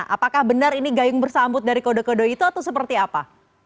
apakah benar ini gayung bersambut dari kode kode itu atau seperti apa